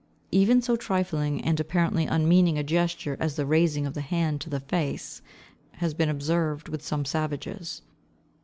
Even so trifling and apparently unmeaning a gesture as the raising of the hand to the face has been observed with some savages.